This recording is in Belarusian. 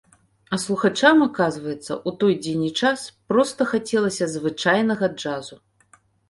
А слухачам, аказваецца, у той дзень і час, проста хацелася звычайнага джазу.